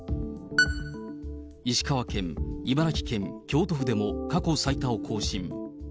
石川県、茨城県、京都府でも過去最多を更新。